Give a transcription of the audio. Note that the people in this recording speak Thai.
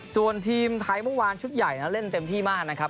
ส่วนทีมไทยเมื่อวานชุดใหญ่เล่นเต็มที่มากนะครับ